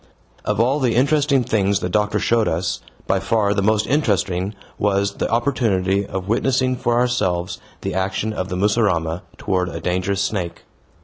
Of all the interesting things the doctor showed us, by far the most interesting was the opportunity of witnessing for ourselves the action of the mussurama toward a dangerous snake.